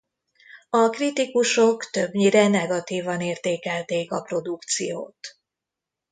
A kritikusok többnyire negatívan értékelték a produkciót.